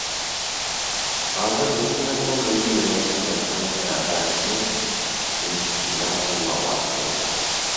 ھازىر ھۆكۈمەتمۇ مىللىي يېمەك-ئىچمەكنىڭ تەرەققىياتىنى پۈتۈن كۈچى بىلەن قوللاۋاتىدۇ.